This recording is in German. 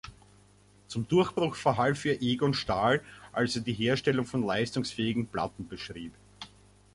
Zum Durchbruch verhalf ihr Egon Stahl, als er die Herstellung von leistungsfähigen Platten beschrieb.